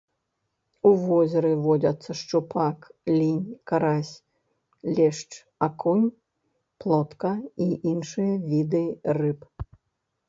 У возеры водзяцца шчупак, лінь, карась, лешч, акунь, плотка і іншыя віды рыб.